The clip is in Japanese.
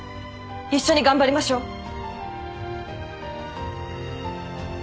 一緒に頑張りましょう。